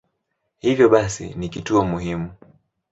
Hivyo basi ni kituo muhimu.